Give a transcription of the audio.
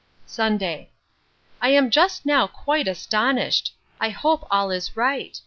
Sunday. I am just now quite astonished!—I hope all is right!